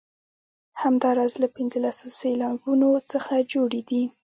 همداراز له پنځلسو سېلابونو څخه جوړې دي.